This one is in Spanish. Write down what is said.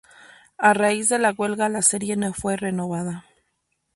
A raíz de la huelga, la serie no fue renovada.